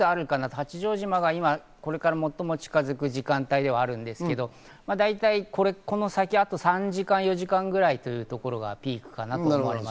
八丈島がこれから最も近づく時間帯ではあるんですけど、この先、あと３時間、４時間ぐらいというところがピークかなと思います。